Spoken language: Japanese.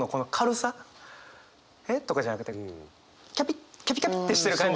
「え？」とかじゃなくてキャピキャピキャピってしてる感じがね